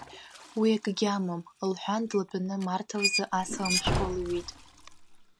Уи акгьы амам, — лҳәан, длатәаныМарҭалзы асаламшәҟәылҩит.